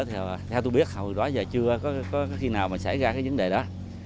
theo tôi biết hầu đó giờ chưa có khi nào mà xảy ra cái vấn đề đó